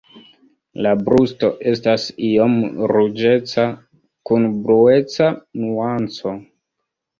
La brusto estas iom ruĝeca kun blueca nuanco.